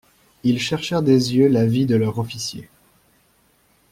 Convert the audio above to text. Il cherchèrent des yeux l'avis de leur officier.